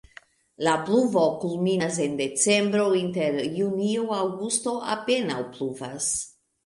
La pluvo kulminas en decembro, inter junio-aŭgusto apenaŭ pluvas.